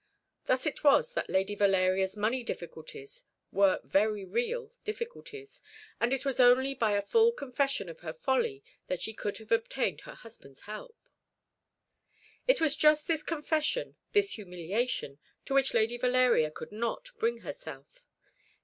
Thus it was that Lady Valeria's money difficulties were very real difficulties; and it was only by a full confession of her folly that she could have obtained her husband's help. It was just this confession, this humiliation, to which Lady Valeria could not bring herself.